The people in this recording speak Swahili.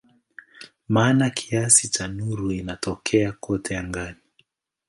Maana kiasi cha nuru inatokea kote angani.